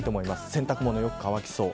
洗濯物、よく乾きそう。